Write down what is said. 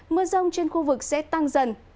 mưa rông trên khu vực sẽ tăng dần